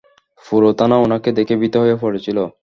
পুরো থানা ওনাকে দেখে ভীত হয়ে পড়েছিল।